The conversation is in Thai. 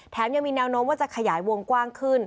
ยังมีแนวโน้มว่าจะขยายวงกว้างขึ้น